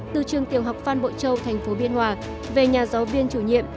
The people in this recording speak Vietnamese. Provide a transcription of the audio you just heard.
từ trường tiểu học phan bội châu thành phố biên hòa về nhà giáo viên chủ nhiệm